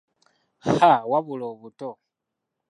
Haaa wabula obuto!